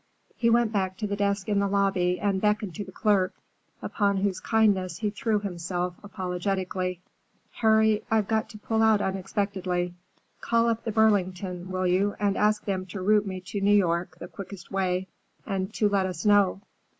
He went back to the desk in the lobby and beckoned to the clerk, upon whose kindness he threw himself apologetically. "Harry, I've got to pull out unexpectedly. Call up the Burlington, will you, and ask them to route me to New York the quickest way, and to let us know.